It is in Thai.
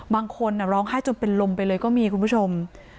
บางคนร้องไห้จนเป็นลมไปเลยก็มีคุณผู้ชม